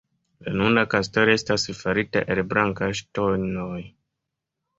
La nuna kastelo estas farita el blankaj ŝtonoj.